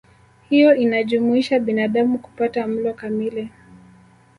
Hiyo inajumuisha binadamu kupata mlo kamili